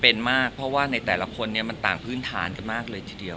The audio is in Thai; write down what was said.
เป็นมากเพราะว่าในแต่ละคนเนี่ยมันต่างพื้นฐานกันมากเลยทีเดียว